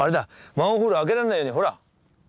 マンホール開けられないようにほら。